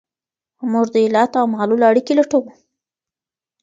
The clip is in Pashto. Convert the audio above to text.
موږ د علت او معلول اړیکي لټوو.